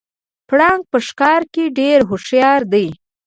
پړانګ په ښکار کې ډیر هوښیار دی